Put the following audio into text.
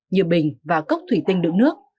như bình và cốc thủy tinh đựng nước